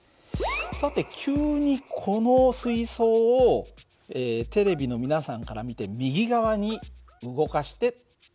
さて急にこの水そうをテレビの皆さんから見て右側に動かしてみる。